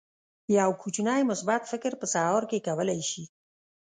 یو کوچنی مثبت فکر په سهار کې کولی شي.